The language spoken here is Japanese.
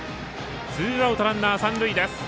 ツーアウト、ランナー、三塁です。